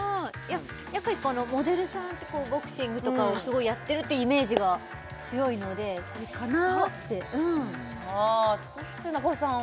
やっぱりモデルさんってこうボクシングとかをすごいやってるってイメージが強いのでそれかなってそして中尾さん